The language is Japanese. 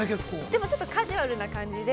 でも、ちょっとカジュアルな感じで。